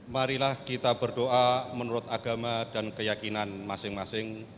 marilah kita berdoa menurut agama dan keyakinan masing masing